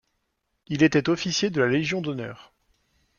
Il était officier de la Légion d’Honneur.